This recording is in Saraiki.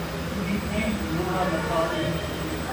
اندھی مینھ لوڑھا لتاڑے